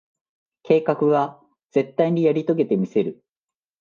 計画は、絶対にやり遂げてみせる。